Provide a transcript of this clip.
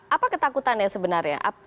apa ketakutannya sebenarnya